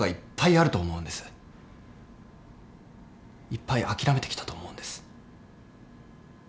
いっぱい諦めてきたと思うんです。